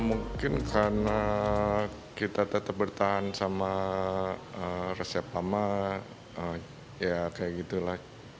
mungkin karena kita tetap bertahan sama resep lama ya kayak gitu lah